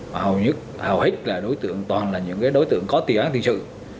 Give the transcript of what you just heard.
mà hầu hết là đối tượng toàn là những đối tượng có tiền án tiền sự